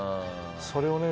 「それをね